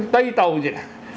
tây tàu gì